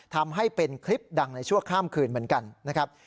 ทำให้เป็นคลิปดังในชั่วข้ามคืนเหมือนกันนะครับ